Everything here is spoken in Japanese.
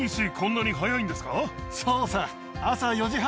そうさ。